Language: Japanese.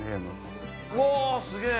うわすげぇ！